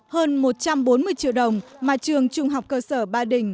hơn một trăm bốn mươi triệu đồng mà trường trung học cơ sở ba đình